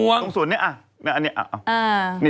ตรงส่วนนี้